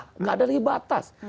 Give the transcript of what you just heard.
tidak ada lagi batas